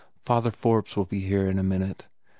"Father Forbes will be here in a minute.